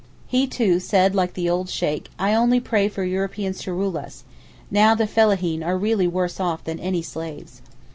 He too said like the old Sheykh, 'I only pray for Europeans to rule us—now the fellaheen are really worse off than any slaves.